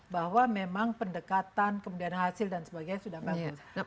bahwa memang pendekatan kemudian hasil dan sebagainya sudah bagus